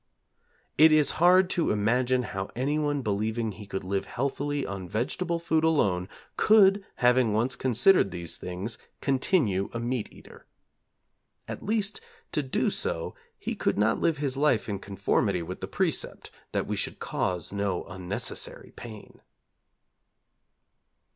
It is hard to imagine how anyone believing he could live healthily on vegetable food alone, could, having once considered these things, continue a meat eater. At least to do so he could not live his life in conformity with the precept that we should cause no unnecessary pain.